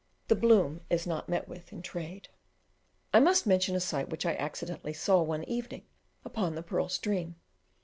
The "bloom" is not met with in trade. I must mention a sight which I accidentally saw, one evening, upon the Pearl stream.